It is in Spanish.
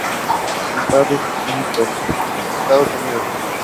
Actualmente vive en Boston, Estados Unidos.